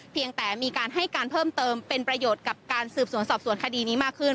เพียงแต่มีการให้การเพิ่มเติมเป็นประโยชน์กับการสืบสวนสอบสวนคดีนี้มากขึ้น